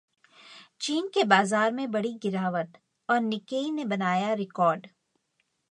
चीन के बाजार में बड़ी गिरावट और निक्केई ने बनाया रिकॉर्ड